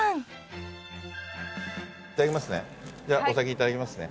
いただきますね